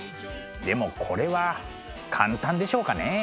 でもこれは簡単でしょうかね？